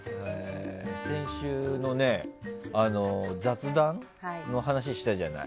先週、雑談の話したじゃない。